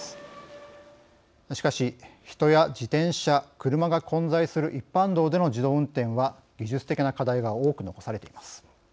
しかし人や自転車車が混在する一般道での自動運転は技術的な課題が多く残されています。